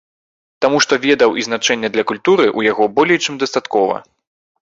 Таму што ведаў і значэння для культуры у яго болей чым дастаткова.